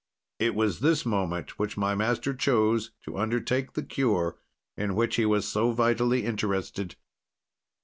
"It was this moment which my master chose to undertake the cure, in which he was so vitally interested.